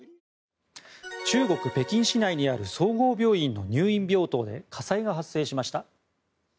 中国・北京市内にある総合病院の入院病棟で火災が発生しました。